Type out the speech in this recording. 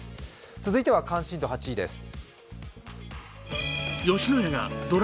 続いては関心度８位です。